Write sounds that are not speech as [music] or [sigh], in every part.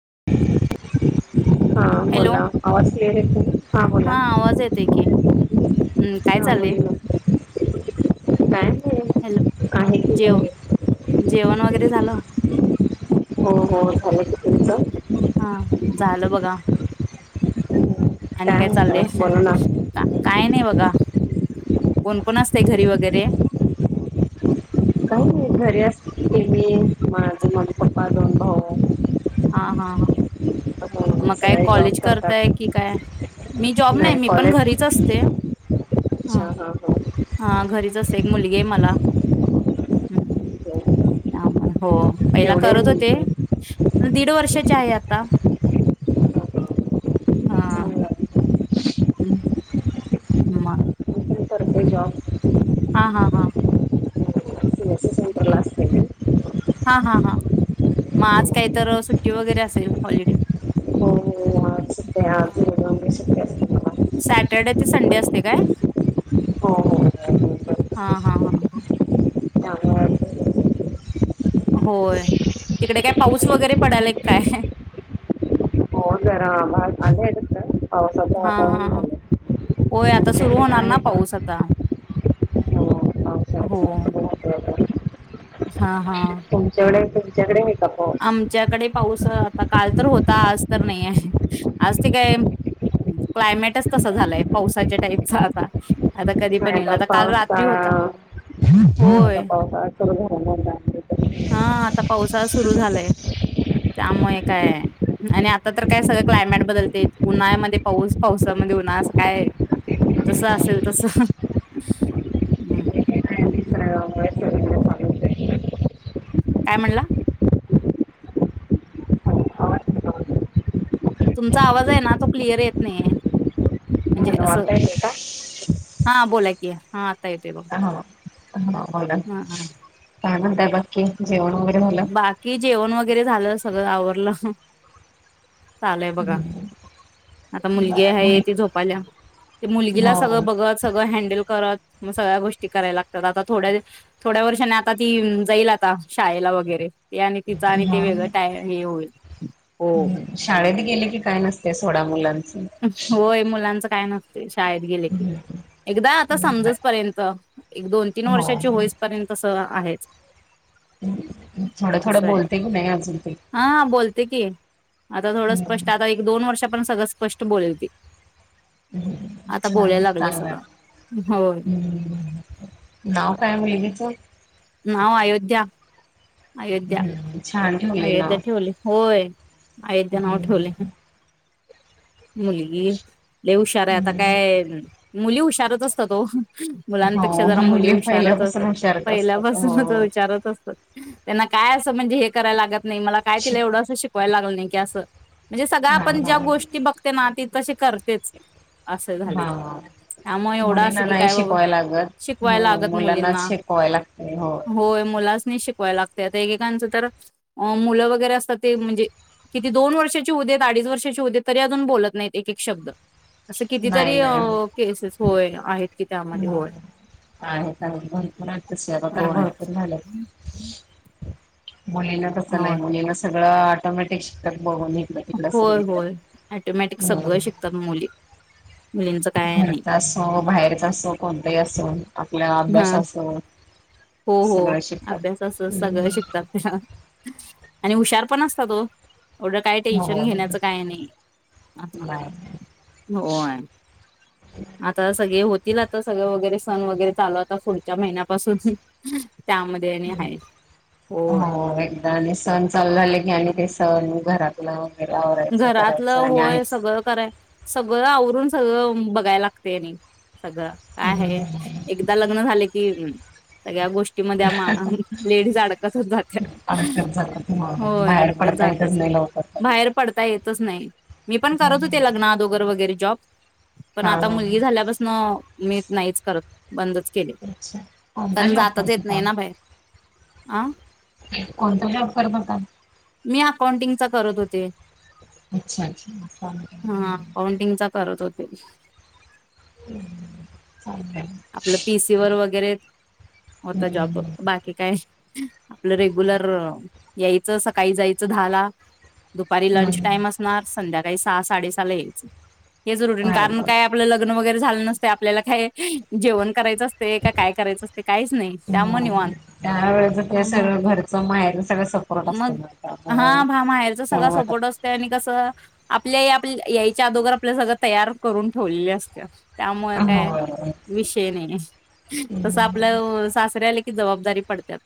[inaudible] Hello बोला आवाज clear येतो हा बोला आवाज येतं की हम् काय हा चालेय बोला काय नाही हॅलो आहे की जेव घरी जेवण वगैरे झालं हो हो झाले की तुमचं हा झालं बघा आणि काय काय चाललंय म्हणतात बोला ना काय नाही बघा कोण कोण असते घरी वगैरे काही घरी असतं मी माझं मम्मी पप्पा दोन भाऊ हा हा हा हो मग काय सगळे जॉब कॉलेज करतात करताय की काय मी जॉब नाही मी पण घरीच असते हा अच्छा हां हां हा घरीच असते एक मुलगी आहे मला ह त्यामुळे हो पहिला केवढे आहे करत होते मुलगी दीड वर्षाचे आहे आता हा चांगलं आहे. हम्म ह मी पण करते हम् जॉब हा हा हा सी एस सी हम्म सेंटरला असते मी हा हा हा मग आज काहीतर सुट्टी वगैरे असेल हॉलिडे हो हो आज सुट्ट्या आज दोन दिवस सुट्ट्या असते मला सॅटर्डे ते संडे असते काय हो हो हो, हा बरोबर. हा ह त्यामुळे होय तिकडे काय पाऊस वगैरे पडलाय काय हो जरा आभाळ आले तसं पावसाचं हा वातावरण हा झालं होय आता सुरू तुमच्याकडे होणार ना आहे का पाऊस आता हो हो पावसाचं वातावरण? हा हा तुच्याकडे ता पाऊस. आमच्याकडे पाऊस आता काल तर होता आज तर नाइ हाय, आज ते काय क्लायमेटच तस झालंय पावसाच्या टाईपच आता आ पावसाळा. होय. काय तर घराला [unintelligible] हा आता पावसाळा सु सुरू झालंय त्यामुळे काय आणि आता तर काय सगळं क्लायम्याट बदलते, उन्हाळ्यामध्ये पाऊस पावसामध्ये उन्हाळा असं काय हो, जस ते असेल तस. तर आहे, निसर्गामुळे सगळीकडे चालूच आहे. काय म्हणला? तुमचा आवाज हाय ना तो क्लिअर येत नाइ याय म्हणजे हॅलो असं आता येते का? हा बोला की हा आता येतोय बघ. हा हा बोला हा हा. काय म्हणताय बाकी. जेवण वैगरे झालं. बाकी जेवण वगैरे झालं सगळं आवरलं चालू हाय बघा. आता मुलगी आहे ती झोपाल्या ते मुलगीला हो सगळं बघत सगळं हँडल करत मग सगळ्या गोष्टी करायला लागत्यात, आता थोड्या थोड्या वर्षाने आता ती जाईल आता शाळेला वगैरे ते आणि तिचं आणि ते हा. वेगळ टाय हे होईल हो. शाळेत गेले की काय नसते सोडा मुला होय मुलांच काय नसतय शाळेत गेले की एकदा आता समजस पर्यंत एक दोन तीन वर्षाची होइस पर्यंत तस आहेच. थोडं अस थोडं हाय बोलते की नाही अजून ते हा बोलते की आता थोडं स्पष्ट आता एक दोन वर्षा पर्यत सगळं स्पष्ट तू बोल ते. हम्म छान चांगलाय होय हम्म नाव काय मुलगीच? नाव अयोध्या. अयोध्या हम्म छान ठेवले अयोध्या नाव ठेवलय होय अयोध्या नाव ठेवलंय. मुलगी लय हुशार हाय आता हम्म काय नं मुली हुशारच असतात ओ. मुलांपेक्षा हो जरा मुली हुशारच पहिल्यापासून असत्यात, हुशारच असतात पहिल्यापासूनच हो हुशारच असत्यात. त्यांना काय असं म्हणजे हे करायला लागत नाइ मला काय तिला शिक एवढं असं शिकवाय लागत ना नाई की असं म्हणजे सगळं हा आपण हा ज्या गोष् ती बघते ना ती तशी करतेच असं झालय, हा त्यामुळे एवढं मुलींना असं की नाही काय बाबा शिकवाय लागत शिकवाय हो लागत मुलांनाच मुलींना शिकवाय लागते हो होय मुलासनी शिक होय लागत्यात एककांच तर अं मुलं वगैरे असतात ते म्हणजे किती दोन वर्षाची होऊ देत अडीच वर्षाची होऊ देत तरी अजून बोलत नाइत एक एक शब्द असं नाइ कितीतरी अ, नाइ केसेस होय आहेत की त्यामध्ये ह होय. आहेत आहेत भरपूर हाइत तशा कारण होय. भरपूर झाल्यात. मुलींना तसं नाइ होय मुलीना सं अ आटोमॅटिक शिकल होय होय अटोमॅटिक सगळ शिकतात मुली. मुलींचं काय नाही. घरचा असो बाहेरचा असो कोणताही असो आपला हा अभ्यास असो हो हो सगळं शिकतात. अभ्यास अस सगळं हम्म शिकतात ते आणि हुशार पण असतात ओ. एवढं काय टेन्शन हो घेण्याच काय नाही आ नाही हो आता सगळे होतील आता सगळ वगैरे सन वगरे चालू आता पुढच्या महिन्यापासून त्यामध्ये आणि हाय होय. हो एकदा आणि सण चालू झाले की आणि ते सण घरातलं आवरायचं घरातलं करायचं आणि होय आहेच. सगळं कराय सगळ सगळं आवरून सगळं बघायला लागते आणि सगळं काय आहे हम्म एकदा लग्न झाले की ह सगळ्या गोष्टी म लेडीज अडकतच जात अडकत जातात मग होय बाहेर अडकत पडता येतच जात्यात नाही लवकर कधी. बाहेर आता येतच नाही मी पण करत हम्म होते लग्ना दोगर वगैरे जॉब पण हा आता मुलगी झाल्यापासन मी नाहीच करत बंदच केले अच्छा कोणता कारण जॉब जातच करत येत नाही होता? ना बाहेर आ कोणता जॉब करत होता? मी अकाउंटिंगचा करत होते अच्छा अच्छा होत होते हम्म आपलं पीसीवरर वगैरे हं, होता हं, जॉब हं. बाकी काय आपलं रेग्युलर यायचं सकाळी जायचं दहा ला दुपारी हं, लंच हं. टाईम असणार संध्याका काही सहा साडे सहाला यायचं हे जरुरी अरे कारण बाप काय आपलं लग्न वगैरे झालं नसत आपल्याला काय जेवण करायचं असतय का काय करयच असतय त्या मूळ निवांत हं. त्यावेळेचं ते त्यामुळं सगळं घरचं माहेरचं सगळं सपोर्ट मग असतं ना त्यामुळं हा महेरचा काय सगळं सपोर्ट वाटत असतो आणि कस आपण आपल्या आई याईच्या अदोगर आपल्या सगळं तयार करून ठेवलेल्या असत त्यामुळे हो काय बरोबर. विषय नाही तस हं. आपलं सासरी इकड आलं, की जबाबदारी पडत्यात.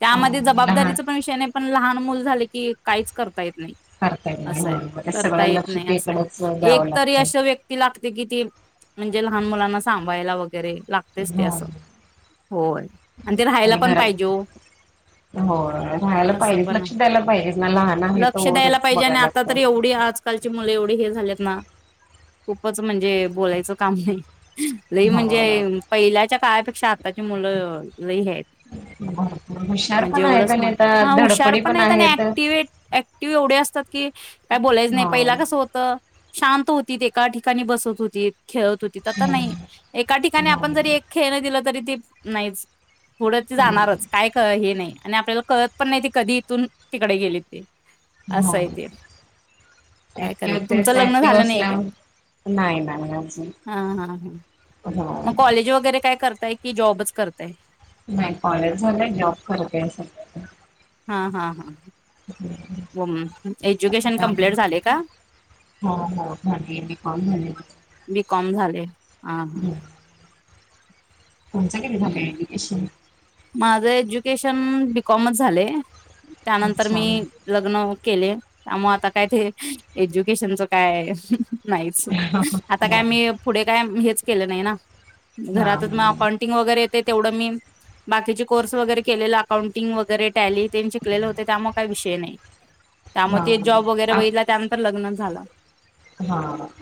त्यामध्ये अं, लहान जबाबदारीचा पण विषय नाही, पण लहान मुल झालं की कायच करता येत नाही करता येत नाही अस हो हाय, मग ते करता सगळं येत लक्ष नाही. अस हाय तेकडेच द्यावं एक तरी लागतंय असं व्यक्ती लाग ते किती म्हणजे लहान मुलांना सांभाळायला वगै वगैरे लागतेच ते हो अस होय. आणि ते राहायला पण पाहिजे ओ हो राहायला असं पाहिजेच पण हाय, लक्ष द्यायला पाहिजेच ना लहान आहे लक्ष द्यायला तोवरच पाहिजे. आणि बघायला आता तर लागतं एवढी आजकालची मुलं एवढी हे झालेत ना, खूपच म्हणजे बोलायचं काम नाही. लय हो म्हणजे पहिल्याच्या काळापेक्षा तशी आतााची मुलं, लय हे आहेत आणि भरपूर हुशार म्हणजे पण एवढं आहेत आणि स्मार्ट आता हा हुशार धडपडी पण आहेत. आणि ऍक्टिवे ऍक्टिव एवढे असतात की काय बोलायचं नाही पहिला हो कसं होत, शांत होतीत, एका ठिकाणी बसत होतीत, खेळत होतीत, आता हो नाही एका ठिकाणी आपण जरी एक खेळण दिलं तरी ते नाहीच, पुढं ते जाणारच काय हे नाही. आणि आपल्याला कळत पण नाही, ती कधी इथून तिकडे गेलीत ते, असं आहे ते काय करेल तुमचं हो, लग्न झालं नाही काय हा हा [inaudible] हा मग कॉलेज वगैरे, काय करताय की जॉबच करताय. नाही कॉलेज झालयं. जॉब करते अस हा हा हा एज्युकेशन त्यामुळे कंपल्टि झालयं का? हो हो झाली बी कॉम झाली माझं. बिकाॅम झालयं ह् हा हा तुमच कधी झालयं, एज्युकेशन माझं एज्युकेशन बीकॉमच झालंय. त्यानंतर अच्छा मी लग्न केले त्यामुळे आता काय ते एज्युकेशनच काय, नाहीच, हा हा आता काय मी पुढे काय हेच केलं नाइ ना घरातच मग अकाउंटिंग वगैरे ते तेवढं मी बाकीचे कोर्स वगैरे केलेले अकाउंटिंग वगैरे, टॅली तेन शिकलेल होते त्यामुळे काय विषय नाइ. त्यामुळे हा ते जॉब वगैरे बघितला त्यानंतर लग्न झाला हा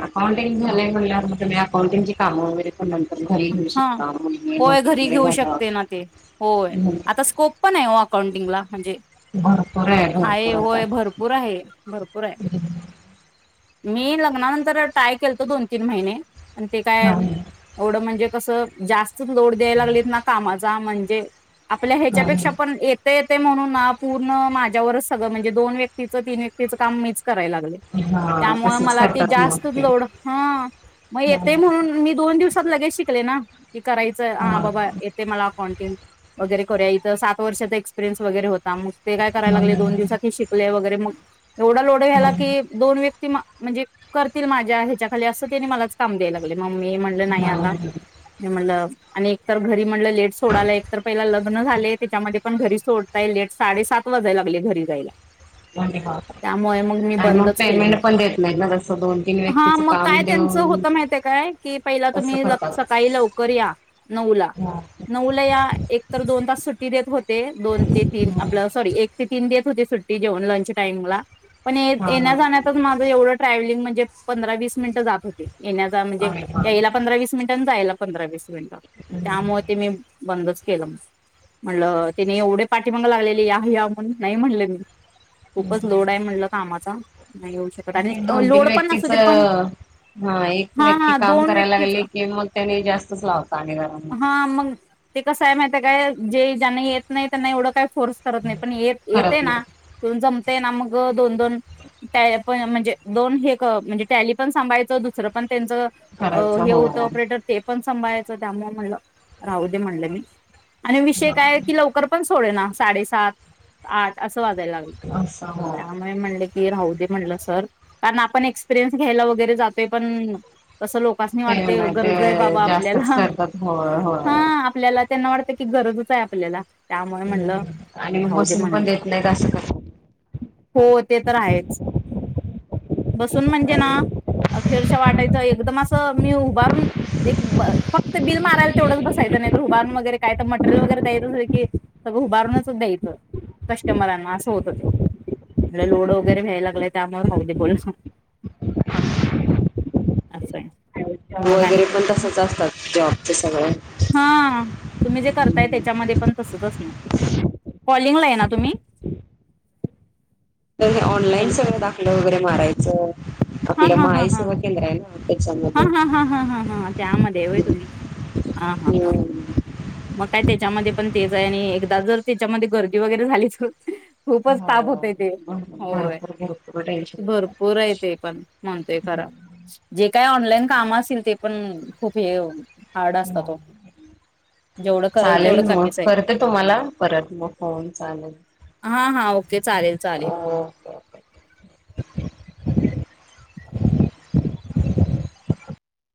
अकाउंटिंग झालंय म्हटल्यावर म तुम्ही अकाउंटिंगची कामं वगैरे प हा होय घरी घेऊ झालं शकते ना ते होय, आता स्कोप पण ओ अकाउंटिंगला म्हणजे भरपूर आहे हाय भरपूर आता होय भरपूर आहे भरपूरय. मी लग्नानंतर ट्राय केलतो दोन तीन महिने आणि ते काय नाही म्हणजे कसं जा लोड द्यायला लागलीत ना कामाचा म्हणज जे आपल्या ह्याच्यापेक्षा नाही पण येतय ते म्हणून ना पूर्ण माझ्यावरच सगळं, म्हणजे दोन व्यक्तीचं तीन व्यक्तीचं काम मीच करायलाले हा त्यामुळे तसंच मला ते करतात मग जास्तच ते लोड हा मग हं, येतोय म्हणून मी दोन दिवस शिकले ना की करायचं हा हं. बाबा येते मला अकाउंटिंग वगैरे इथ सात वर्षाचा एक्पिरियन्स वगैेरे होता मग ते काय कराय लागले म्हणून दो दिवसात ही शिकले वगैरे ते मग एवढा लोड व्यायला म्हणून की दोन व्यक्ती म्हणजे करतील माझ्या ह्याच्या खाली असं त्यानी मलाच काम द्यायला लागले मग मी आता नाही, ते म्हणलं आणि एकतर घरी म्हटलं लेट सोडायला एक तर पहिला लग्न झालेय त्याच्यामध्ये पण घरी सोडताय लेट साडेसात वाजायला लागले घरी जायला. म्हणजे हा. त्यामुळे मग मी आणि मग बंदच केलं. पेमेंट पण देत नाहीत ना तसं दोन तीन हा व्यक्तीचं मग काम काय त्यांच देऊन होत माहितय काय की पहिल्या तसं तुम्ही करतात सकाळी लवकर या नऊ ला हं, नऊला या एक तर दोन तास सुट्टी देत होते दोन ते तीन हं. आपलं सॉरी एक ते तीन देत हुती सुट्टी जेऊन लंच टाईम ला पण येत हा येण्या हा जान्यात माझं एवढं ट्रॅव्हलिंग मध पंधरा वीस मिनिट जात होते. येण्याचं म्हणजे आहे हा याय रिटर्न जायला पंधरा मिनिटे ग हं, हं. त्यामुळे ते मी बंद केलं म्हणलं तिने एवढे पाठीमाग लागलेले या या म्हून नाही म्हणले मी खूपच लोड आहे म्हणलं कामाचा नाही येऊ शकत आणि दोन तीन लोड पण असू व्यक्तीच दे पण हा एक व्यक्ती हा काम दोन करायला व्यक्तीच राहिले की मग त्यानी जास्तच लावत घरा हा मग ते कसं आहे माहिती काय जे ज्यांना येत नाही त्यांना एवढं काय फोर्स करत नाही पण येते ना जमते ना मग दोन दोन त्या पण दोन हे क म्हणजे टॅली पण सांभाळायचं दुसर त्यांचं हो हे होतं ऑपरेटर ते पण सांभाळायचं त्यामुळे म्हणलं राहू दे म्हणलं मी आणि विषय हा काय की लवकर पण सोडे ना साडे सात आठ अस वाजायला लाग असं हो त्यामुळे म्हणले की राहू दे म्हणलं सर कारण आपण एक्सपिरियन्स घ्यायला वगैरे जातोय पण कसं लोक पप्पासनी ते वाटतेय नाही गरज आहे ते बाबा जास्तच आपल्याला करतात होय हा होय आपल्याला त्यांना वाटतं की गरजच आहे आपल्याला त्यामुळे म्हणलं आणि राहू दे बसून पण म्हणलं देत नाहीत असं करतात हो ते तर आहेच. बसून म्हणजे ना प्रायव्हेट अखेरच्या वाटायचं एकदम मी उभारून एक फक्त बिल मारायला तेवढंच बसायचं नाही तर उभारून वगैरे काय तर मटेरियल वगैरे द्यायच अस की सगळं उभारूनच द्यायचं कस्टमरांना असं होत हो ते लोड वगैरे व्यायला लागलंय त्यामुळे राहू दे बोल अस वगैरे पण तसच असतात जॉबचे सगळ हा तुम्ही जे करताय त्याच्यामध्ये पण तसच असणार कॉलिंगला आहे ना तुम्ही? तर ऑनलाईन हॅलो सगळं दाखलं वगैरे मारायचं हा आपल्या हा हा माई हा सेवा केंद्र आहे ना हा त्याच्यामध्ये हा हा हा हा हा त्यामध्ये होय तुम्ही हा हा हा हम्म मग काय त्याच्यामध्ये पण तेच आहे आणि एकदा जर त्याच्यामध्ये गर्दी वगैरे झाली तर खूपच ताप हो होतय ते होय भरपूर भरपूर टेन्शन येतं भरपूर आहे ते पण म्हणतोय खर जे काय ऑनलाइन काम असेल ते पण खूप हे हार्ड असता ओ जेवढं करल चालेल तेवढं मग कमीच आहे करते तुम्हाला परत मग फोन चालेल हा हा ओके चालेल चालेल ओके ओके. [unintelligible]